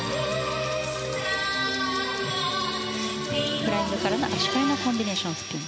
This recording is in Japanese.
フライングからの足換えのコンビネーションスピン。